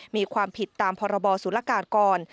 มีความผิดตามพรบศุลกากร